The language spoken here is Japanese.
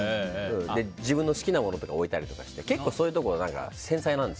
自分の好きなものとかを置いたりして結構、そういうところ繊細なんです。